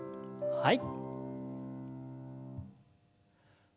はい。